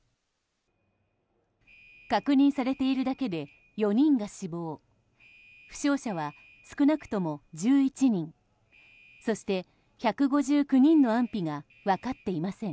確認されているだけで４人が死亡負傷者は少なくとも１１人そして、１５９人の安否が分かっていません。